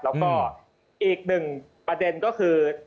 และก็อีก๑ประเด็นก็คือ